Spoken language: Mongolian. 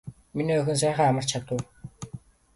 Миний охин сайхан амарч чадав уу.